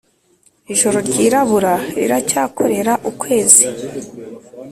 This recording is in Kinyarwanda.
ijoro ryirabura riracyakorera ukwezi,